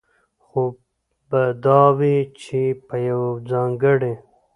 خو به دا وي، چې په يوه ځانګړي